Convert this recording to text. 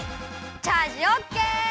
チャージオッケー！